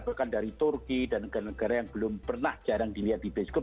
bahkan dari turki dan negara negara yang belum pernah jarang dilihat di bioskop